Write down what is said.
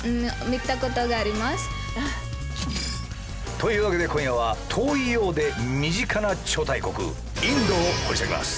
というわけで今夜は遠いようで身近な超大国インドを掘り下げます。